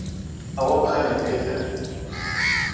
ئەوە بخەنە گوێتان